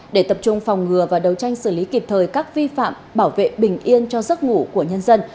để tập trung phòng ngừa và đấu tranh xử lý kịp thời các vi phạm bảo vệ bình yên cho giấc ngủ của nhân dân